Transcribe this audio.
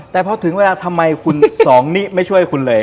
แต่พอถึงเวลาทำไมคุณสองนิไม่ช่วยคุณเลย